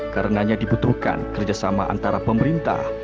karenanya dibutuhkan kerjasama antara pemerintah